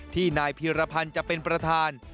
ที่นายพีรพันธ์จะเป็นประธาน